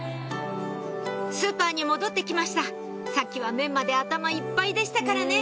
スーパーに戻って来ましたさっきはメンマで頭いっぱいでしたからね